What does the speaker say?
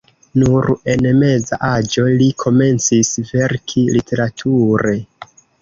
Nur en meza aĝo li komencis verki literature.